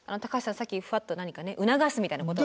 さっきふわっと何かね促すみたいなことを。